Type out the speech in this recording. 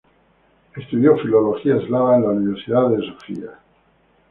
Estudió Filología Eslava en la Universidad de Sofía.